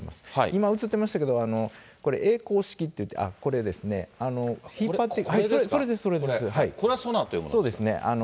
今、映ってましたけど、これ、曳航式っていって、これですね、引っ張って。